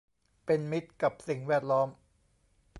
เป็นมิตรกับสิ่งแวดล้อม